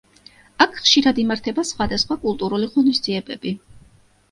აქ ხშირად იმართება სხვადასხვა კულტურული ღონისძიებები.